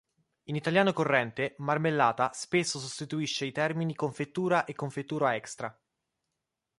In italiano corrente "marmellata" spesso sostituisce i termini "confettura" e "confettura extra".